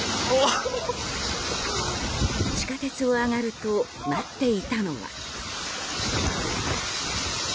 地下鉄を上がると待っていたのは。